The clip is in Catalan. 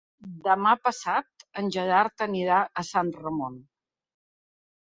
Demà passat en Gerard anirà a Sant Ramon.